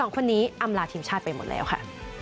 ๒คนนี้อำลาทีมชาติไปหมดแล้วค่ะ